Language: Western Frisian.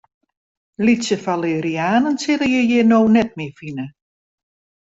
Lytse falerianen sille je hjir no net mear fine.